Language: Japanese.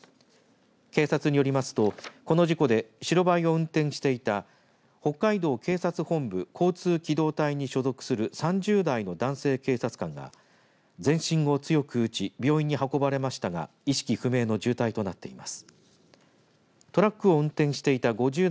警察によりますとこの事故で白バイを運転していた北海道警察本部交通機動隊に所属する３０代の男性警察官が全身を強く打ち病院に運ばれましたが意識不明の重体となっています。